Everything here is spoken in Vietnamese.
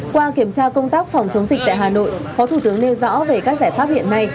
qua kiểm tra công tác phòng chống dịch tại hà nội phó thủ tướng nêu rõ về các giải pháp hiện nay